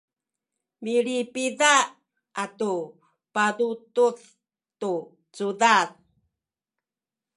milipida atu patudud tu cudad